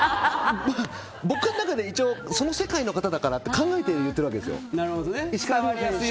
僕の中でその世界の方だからと考えてやっているんですよ。